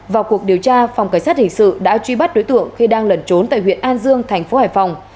vào cuộc điều tra phòng cảnh sát hình sự đã truy bắt đối tượng khi đang lẩn trốn tại huyện an dương thành phố hải phòng